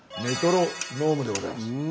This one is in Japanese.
メトロノームでございます。